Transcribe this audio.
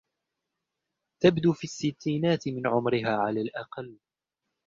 تبدو في الستينات من عمرها على الأقل.